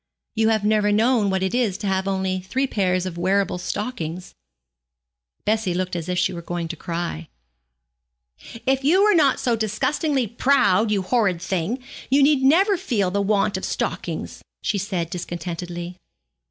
You have never known what it is to have only three pairs of wearable stockings.' Bessie looked as if she were going to cry. 'If you were not so disgustingly proud, you horrid thing, you need never feel the want of stockings,' she said discontentedly.